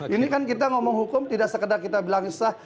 ini kan kita ngomong hukum tidak sekedar kita bilang sah